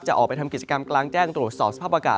ออกไปทำกิจกรรมกลางแจ้งตรวจสอบสภาพอากาศ